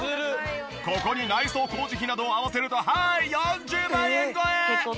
ここに内装工事費などを合わせるとはい４０万円超え！